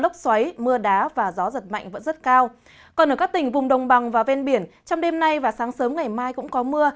còn ở các tỉnh vùng đồng bằng và ven biển trong đêm nay và sáng sớm ngày mai cũng có mưa